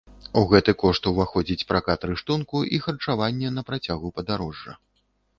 У гэты кошт уваходзіць пракат рыштунку і харчаванне на працягу падарожжа.